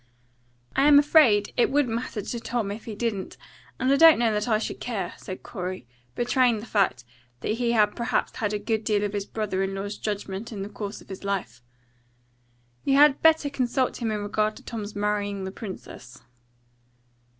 "I'm afraid it wouldn't matter to Tom if he didn't; and I don't know that I should care," said Corey, betraying the fact that he had perhaps had a good deal of his brother in law's judgment in the course of his life. "You had better consult him in regard to Tom's marrying the princess."